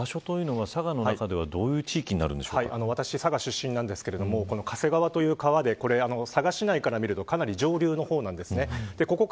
西岡さん、この場所というのは佐賀の中ではどういう地域に私、佐賀出身なんですけど嘉瀬川という川で市内から見るとかなり上流の方なんです。